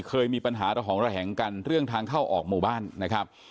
เคยมีปัญหาระหองระแหงกันเรื่องทางเข้าออกหมู่บ้านนะครับ